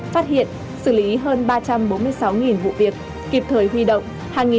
phát hiện xử lý hơn ba trăm bốn mươi sáu vụ việc kịp thời huy động